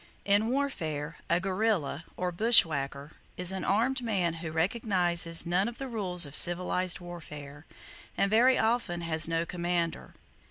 In warfare, a guerrilla, or bushwhacker, is an armed man who recognizes none of the rules of civilized warfare, and very often has no commander.